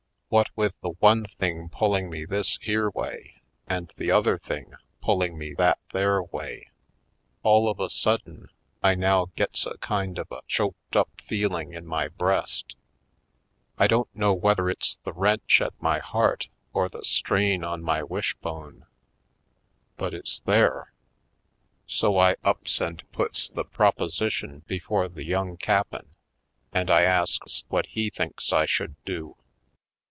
What with the one thing pulling me this here way and the other thing pulling me that there way, all of a sudden I now gets a kind of a choked up feeling in my breast. I don't know whether it's the wrench at my heart or the strain on my wishbone. But it's there I So I ups and puts the proposition before the Young Cap'n and I asks what he thinks I should do?